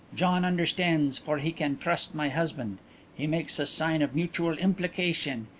Gian understands, for he can trust my husband. He makes a sign of mutual implication.